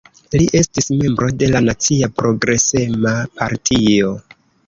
Li estis membro de la Nacia Progresema Partio.